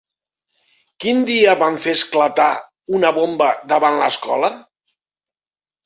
Quin dia van fer esclatar una bomba davant l'escola?